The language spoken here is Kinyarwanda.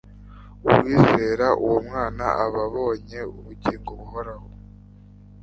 “Uwizera uwo mwana aba abonye ubugingo buhoraho.